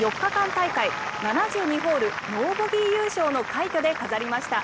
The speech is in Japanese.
大会７２ホールノーボギー優勝の快挙で飾りました。